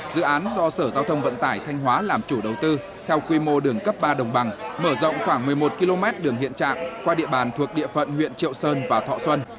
dự án do sở giao thông vận tải thanh hóa làm chủ đầu tư theo quy mô đường cấp ba đồng bằng mở rộng khoảng một mươi một km đường hiện trạng qua địa bàn thuộc địa phận huyện triệu sơn và thọ xuân